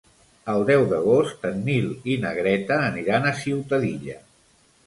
El deu d'agost en Nil i na Greta aniran a Ciutadilla.